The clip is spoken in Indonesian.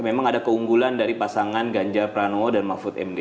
memang ada keunggulan dari pasangan ganjar pranowo dan mahfud md